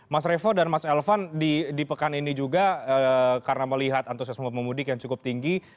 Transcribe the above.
mas revo dan mas elvan di pekan ini juga karena melihat antusiasme pemudik yang cukup tinggi